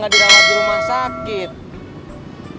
gue dah laki laki heinrich bingung